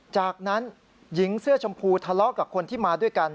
จากนั้นหญิงเสื้อชมพูทะเลาะกับคนที่มาด้วยกัน